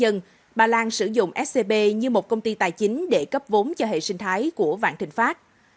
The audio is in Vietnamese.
tuy nhiên bà lan sử dụng scb như một công ty tài chính để cấp vốn cho hệ sinh thái của vạn thịnh pháp